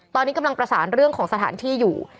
ตอนนี้กำลังประสานเรื่องของสถานที่อยู่